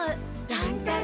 乱太郎。